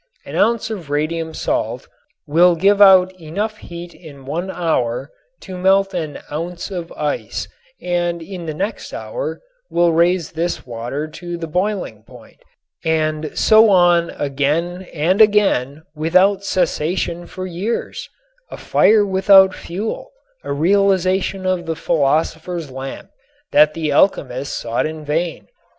An ounce of radium salt will give out enough heat in one hour to melt an ounce of ice and in the next hour will raise this water to the boiling point, and so on again and again without cessation for years, a fire without fuel, a realization of the philosopher's lamp that the alchemists sought in vain.